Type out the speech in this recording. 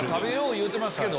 言うてますけど。